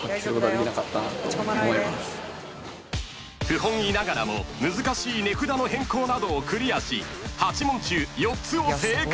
［不本意ながらも難しい値札の変更などをクリアし８問中４つを正解！］